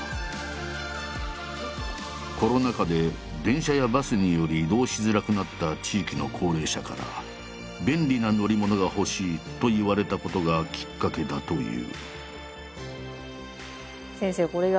コロナ禍で電車やバスにより移動しづらくなった地域の高齢者から「便利な乗り物が欲しい」と言われたことがきっかけだという。